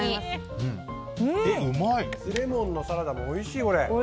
酢レモンのサラダもおいしい。